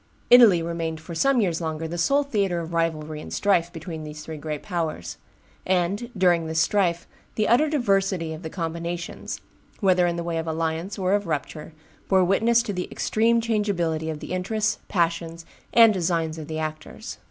Italy remained for some years longer the sole theatre of rivalry and strife between these three great powers; and, during this strife, the utter diversity of the combinations, whether in the way of alliance or of rupture, bore witness to the extreme changeability of the interests, passions, and designs of the actors.